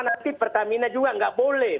nanti pertamina juga nggak boleh